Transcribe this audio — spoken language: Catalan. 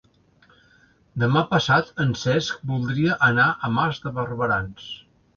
Demà passat en Cesc voldria anar a Mas de Barberans.